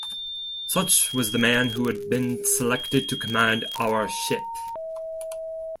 Such was the man who had been selected to command our ship.